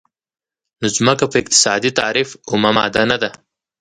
خو ځمکه په اقتصادي تعریف اومه ماده نه ده.